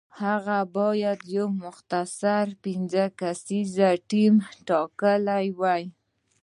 هغه باید یو مختصر پنځه کسیز ټیم ټاکلی وای.